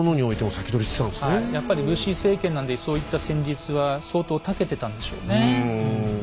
はいやっぱり武士政権なんでそういった戦術は相当たけてたんでしょうね。